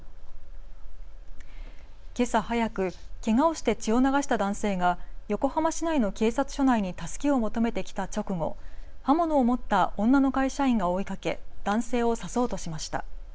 けさ早く、けがをして血を流した男性が横浜市内の警察署内に助けを求めてきた直後、刃物を持った女の会社員が追いかけ男性を刺そうとしました。